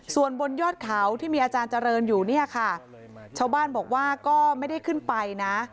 ส่วนบนยอดเขาที่มีอาจารย์เจริญอยู่เนี่ยค่ะชาวบ้านบอกว่าก็ไม่ได้ขึ้นไปนะ